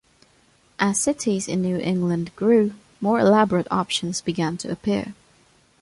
As cities in New England grew, more elaborate options began to appear.